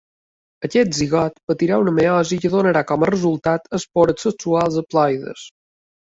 Aquest zigot patirà una meiosi que donarà com a resultat espores sexuals haploides.